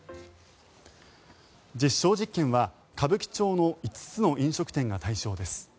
実証実験は、歌舞伎町の５つの飲食店が対象です。